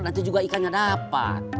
itu juga ikannya dapat